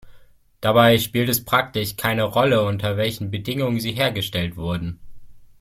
Dabei spielt es praktisch keine Rolle, unter welchen Bedingungen sie hergestellt wurden.